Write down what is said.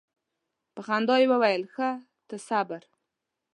په خندا یې وویل ښه ته صبر.